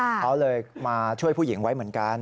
เขาเลยมาช่วยผู้หญิงไว้เหมือนกัน